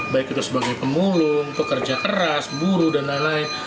baik itu sebagai pemulung pekerja keras buru dan lain lain